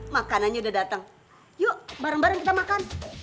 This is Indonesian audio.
makanannya udah datang yuk bareng bareng kita makan